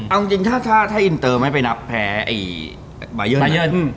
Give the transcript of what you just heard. เอาจริงถ้าอินเตอร์ไม่ไปนับแพ้ไอ้บายัน